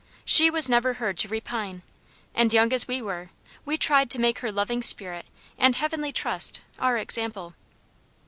She was never heard to repine; and young as we were, we tried to make her loving spirit and heavenly trust, our example.